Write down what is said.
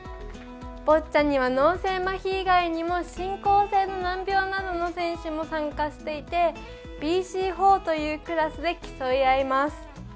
ボッチャには脳性まひ以外にも進行性の難病のある選手も参加していてＢＣ４というクラスで競い合います。